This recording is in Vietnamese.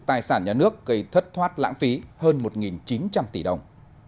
tài sản nhà nước gây thất thoát lãng phí hơn một chín trăm linh tỷ đồng